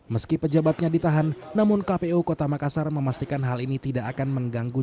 meski pejabatnya ditahan namun kpu kota makassar memastikan hal ini tidak akan mengganggu